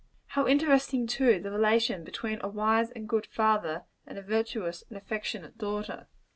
How interesting, too, the relation between a wise and good father, and a virtuous and affectionate daughter!